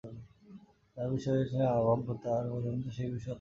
যাহার যে-বিষয়ে যেমন অভাববোধ, তাহার প্রয়োজনবোধও সেই বিষয়ে তদনুরূপ।